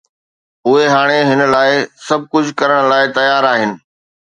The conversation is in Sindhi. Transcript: اهي هاڻي هن لاءِ سڀ ڪجهه ڪرڻ لاءِ تيار آهن.